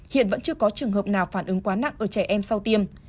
hiện vẫn chưa có trường hợp nào phản ứng quá nặng ở trẻ em sau tiêm